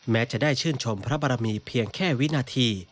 แม้จะได้ชื่นชมพระบารมีเพียงแค่วินาที